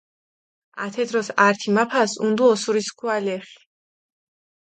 ათე დროს ართი მაფას ჸუნდჷ ოსურისქუა ლეხი.